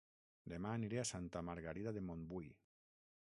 Dema aniré a Santa Margarida de Montbui